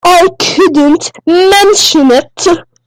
I couldn't mention it.